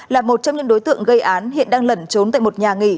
là một trong những đối tượng gây án hiện đang lẩn trốn tại một nhà nghỉ